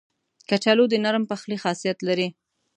کچالو د نرم پخلي خاصیت لري